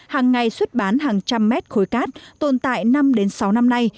hàng ngày xuất bán hàng trăm mét khối cát tồn tại năm sáu năm nay